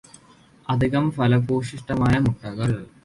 അധികം ഫലഭൂയിഷ്ടമായ മുട്ടകൾ